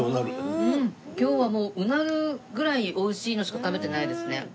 今日はもううなるぐらい美味しいのしか食べてないですね。